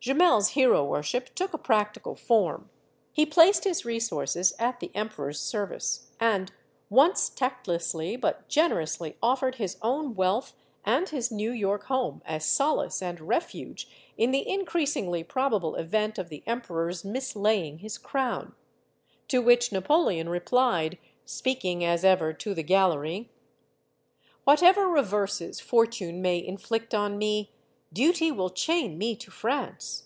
Jumel's hero worship took a practical form. He placed his resources at the emperor's service, and once tactlessly, but generously, offered his own wealth and his New York home as solace and refuge in the in creasingly probable event of the emperor's mislaying his crown. To which Napoleon replied speaking, as ever, to the gallery: "Whatever reverses Fortune may inflict on me, Duty \vill chain me to France.